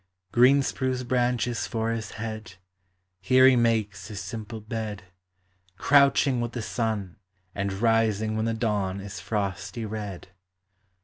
Green spruce branches for his head, Here he makes his simple bed, Crouching with the sun, and rising When the dawn is frosty red.